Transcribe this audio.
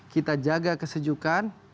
kita jaga kesejukan